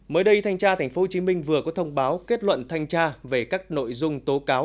mới đây thanh tra tp hcm vừa có thông báo kết luận thanh tra về các nội dung tố cáo